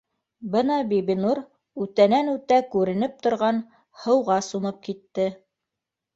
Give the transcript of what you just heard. Бына Бибинур үтәнән-үтә күренеп торған һыуға сумып китте